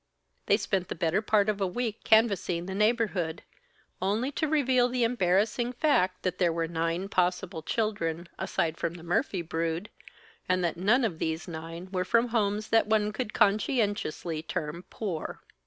They spent the better part of a week canvassing the neighborhood, only to reveal the embarrassing fact that there were nine possible children, aside from the Murphy brood, and that none of these nine were from homes that one could conscientiously term poor.